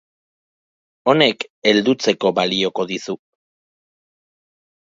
Honek heldutzeko balioko dizu.